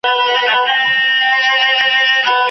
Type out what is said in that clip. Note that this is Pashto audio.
نصیب درکړې داسي لمن ده